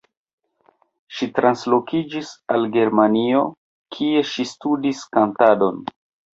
Ŝi translokiĝis al Germanio, kie ŝi studis kantadon.